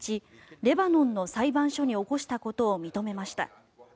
レバノンの裁判所に起こしたことを認めました。